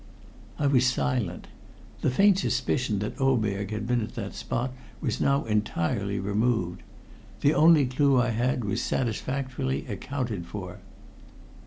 I was silent. The faint suspicion that Oberg had been at that spot was now entirely removed. The only clue I had was satisfactorily accounted for.